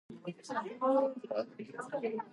鳴き声が森に響く。